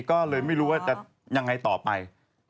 ก็เลยไม่รู้ว่าจะยังไงต่อไป